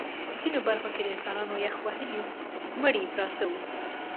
ځینو برخو کې د انسانانو یخ وهلي مړي پراته وو